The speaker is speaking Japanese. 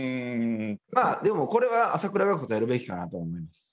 まあでもこれは朝倉が答えるべきかなと思います。